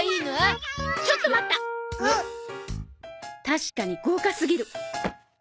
確かに豪華すぎる。